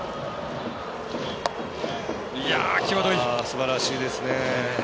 すばらしいですね。